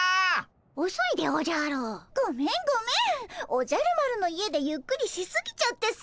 おじゃる丸の家でゆっくりしすぎちゃってさ。